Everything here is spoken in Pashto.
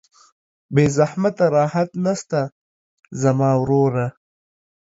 بې زحمته راحت نسته زما وروره